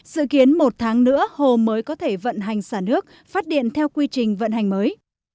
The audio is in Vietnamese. dự kiến một tháng nữa hồ mới có thể vận hành xả nước phát điện theo quy trình vận hành mới